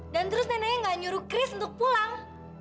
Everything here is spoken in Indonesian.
dan terus neneknya enggak nyuruh kris untuk pulang